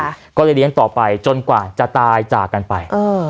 ก็เลยเลี้ยงต่อไปจนกว่าจะตายจากกันไปเออ